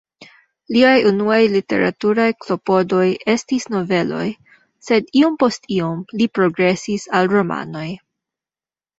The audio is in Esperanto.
Liaj unuaj literaturaj klopodoj estis noveloj, sed iom post iom li progresis al romanoj.